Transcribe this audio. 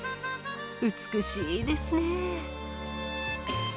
美しいですね。